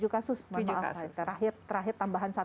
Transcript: tujuh kasus mohon maaf terakhir tambahan